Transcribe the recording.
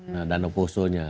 nah danau posonya